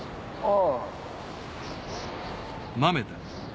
ああ。